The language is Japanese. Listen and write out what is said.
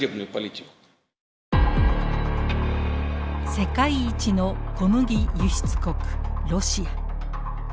世界一の小麦輸出国ロシア。